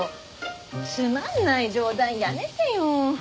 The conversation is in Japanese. つまんない冗談やめてよ。